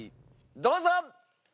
どうぞ！